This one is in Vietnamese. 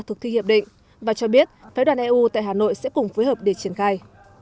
thực thi hiệp định và cho biết phái đoàn eu tại hà nội sẽ cùng phối hợp để triển khai